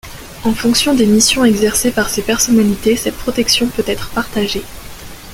En fonction des missions exercées par ces personnalités, cette protection peut être partagée.